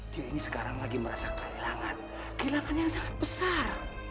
dia ini sekarang lagi merasa kehilangan kehilangan yang sangat besar